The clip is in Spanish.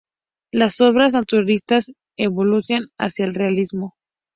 Las obras naturalistas evolucionan hacia el realismo.